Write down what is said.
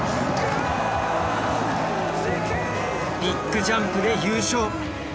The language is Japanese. ビッグジャンプで優勝！